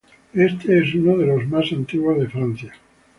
Este es uno de los más antiguos de Francia.